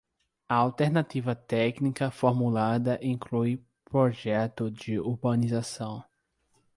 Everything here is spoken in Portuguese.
A alternativa técnica formulada inclui projeto de urbanização.